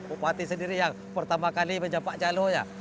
upati sendiri yang pertama kali menjampak calonnya